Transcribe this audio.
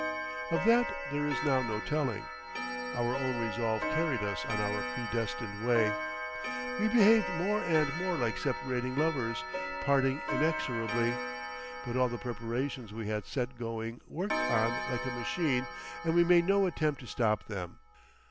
Of that there is now no telling. Our own resolve carried us on our predestined way. We behaved more and more like separating lovers, parting inexorably, but all the preparations we had set going worked on like a machine, and we made no attempt to stop them.